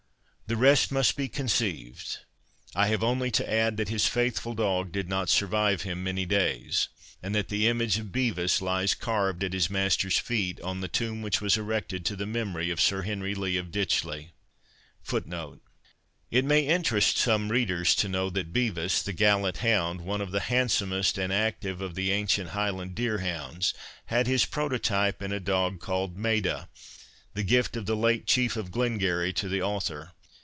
The rest must be conceived. I have only to add that his faithful dog did not survive him many days; and that the image of Bevis lies carved at his master's feet, on the tomb which was erected to the memory of Sir Henry Lee of Ditchley. It may interest some readers to know that Bevis, the gallant hound, one of the handsomest and active of the ancient Highland deer hounds, had his prototype in a dog called Maida, the gift of the late Chief of Glengarry to the author.